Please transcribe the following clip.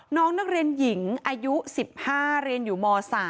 น้องนักเรียนหญิงอายุ๑๕เรียนอยู่ม๓